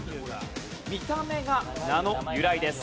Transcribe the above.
見た目が名の由来です。